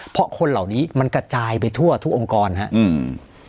เพราะคนเหล่านี้มันกระจายไปทั่วทุกองค์กรครับอืม